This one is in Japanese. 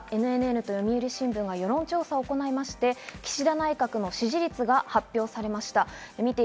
ＮＮＮと読売新聞が世論調査を行いまして岸田内閣の支持率が発表されました。